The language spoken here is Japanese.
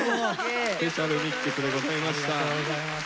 スペシャルミックスでございました。